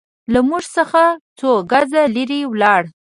له موږ څخه څو ګزه لرې ولاړ.